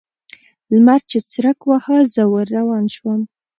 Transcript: لمر چې څرک واهه؛ زه ور روان شوم.